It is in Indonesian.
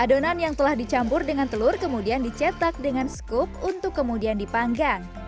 adonan yang telah dicampur dengan telur kemudian dicetak dengan skup untuk kemudian dipanggang